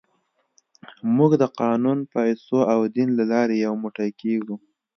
موږ د قانون، پیسو او دین له لارې یو موټی کېږو.